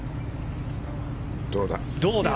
どうだ！